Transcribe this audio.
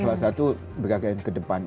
salah satu bkkbn kedepan